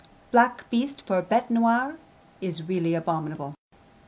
Black beast for bete noire is really abominable.